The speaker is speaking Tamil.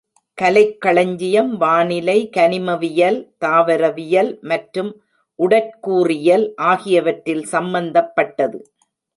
கலைக்களஞ்சியம் வானிலை, கனிமவியல், தாவரவியல் மற்றும் உடற்கூறியல் ஆகியவற்றில் சம்பந்தப்பட்டது.